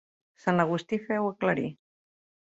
Sant Agustí, feu aclarir.